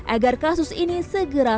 agar kasus ini segera